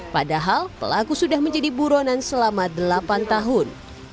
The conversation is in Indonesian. padahal pelaku sudah menjadi buronan selama delapan tahun